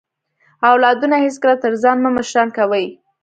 اولادونه هیڅکله تر ځان مه مشران کوئ